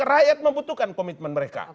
rakyat membutuhkan komitmen mereka